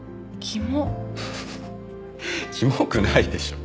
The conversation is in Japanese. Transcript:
キモくないでしょ。